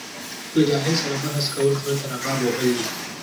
له جاهل سره بحث کول خره ته رباب وهل دي.